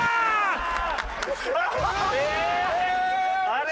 あれ？